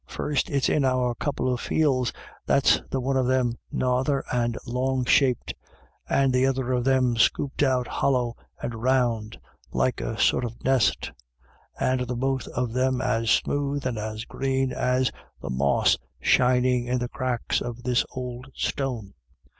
First it's in our couple of fields, that's the one of them narrer and long shaped, and the other of them scooped out hollow and round like a sort of nest, and the both of them as smooth and as green as the moss shinin' in the cracks of this ould stone.